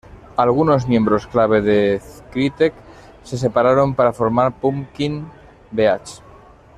Algunos miembros clave de Crytek se separaron para formar Pumpkin Beach.